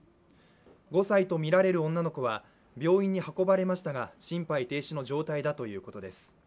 ５歳とみられる女の子は病院に運ばれましたが心肺停止の状態だということです。